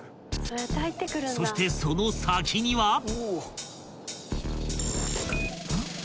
［そしてその先には］